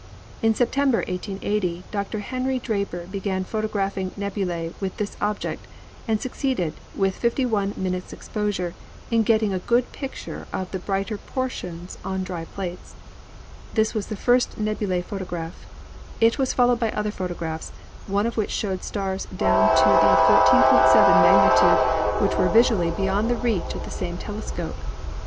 In September, 1880, Dr. Henry Draper began photo graphing nebulae with this object, and succeeded, with 51 minutes exposure, in getting a good picture of the brighter portions on dry plates. This was the first nebular photo graph. It was followed by other photographs, one of which showed stars down to the 14.7 magnitude which were visually beyond the reach of the same telescope.